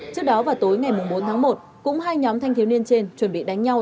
trước đó vào tối ngày bốn tháng một cũng hai nhóm thanh thiếu niên trên chuẩn bị đánh nhau